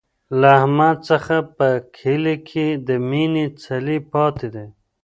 له احمد څخه په کلي کې د مینې څلی پاتې دی.